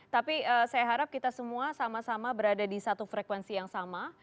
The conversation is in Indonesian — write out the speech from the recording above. tapi saya harap kita semua sama sama berada di satu frekuensi yang sama